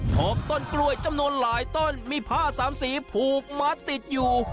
พบต้นกล้วยจำนวนหลายต้นมีผ้าสามสีผูกมัดติดอยู่